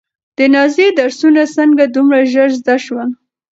د نازيې درسونه څنګه دومره ژر زده شول؟